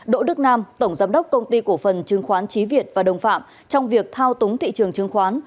đỗ đức nam tổng giám đốc công ty cổ phần chứng khoán trí việt và đồng phạm trong việc thao túng thị trường chứng khoán